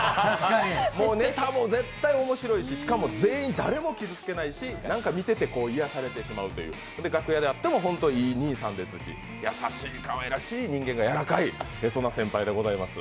もうネタも絶対面白いし、全員誰も傷つけないし、なんか見ていて癒やされてしまうという楽屋で会っても本当にいい兄さんですし、優しい、かわいらしい人間がやわらかい、そんな先輩でございます。